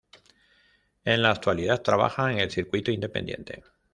En la actualidad trabaja en el Circuito independiente.